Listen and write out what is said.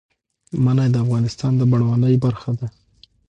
منی د افغانستان د بڼوالۍ برخه ده.